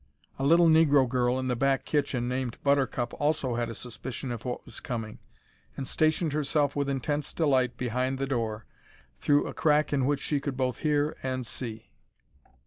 A little negro girl in the back kitchen named Buttercup also had a suspicion of what was coming, and stationed herself with intense delight behind the door, through a crack in which she could both hear and see.